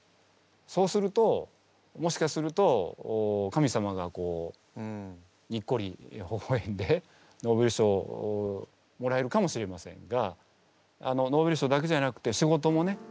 そうするともしかすると神様がにっこりほほえんでノーベル賞をもらえるかもしれませんがノーベル賞だけじゃなくて仕事もね